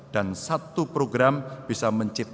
dan satu program bisa menciptakan